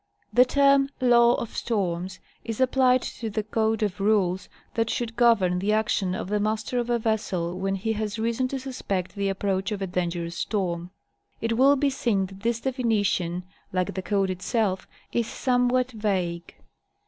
The term "Law of Storms" is applied to the code of rules that should govern the action of the master of a vessel when he has reason to suspect the approach of a dangerous storm. It will be seen that this definition, like the code itself, is somewhat vague.